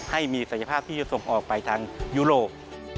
ให้มีศักยภาพที่จะส่งออกไปทางยุโรป